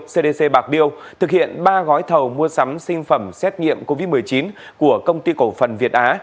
cdc bạc liêu thực hiện ba gói thầu mua sắm sinh phẩm xét nghiệm covid một mươi chín của công ty cổ phần việt á